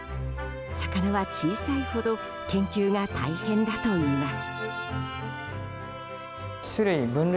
魚は小さいほど研究が大変だといいます。